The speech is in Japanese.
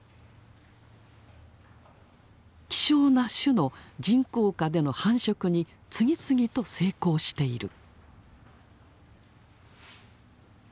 希少な種の人工下での繁殖に次々と成功している。